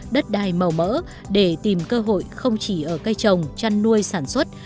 đất đai màu mỡ để tìm cơ hội không chỉ ở cây trồng chăn nuôi sản xuất